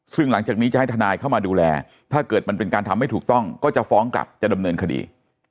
ซึ่งหลังจากนี้จะให้ทนายเข้ามาดูแลถ้าเกิดมันเป็นการทำไม่ถูกต้องก็จะฟ้องกลับจะดำเนินคดี